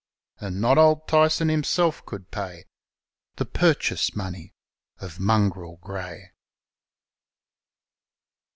And not Old Tyson himself could pay The purchase money of Mongrel Grey.